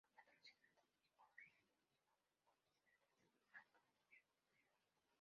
Fue patrocinado y corrió con bicicletas de la marca Peugeot.